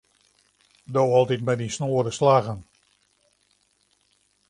Do altyd mei dyn snoade slaggen.